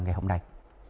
ngày hôm nay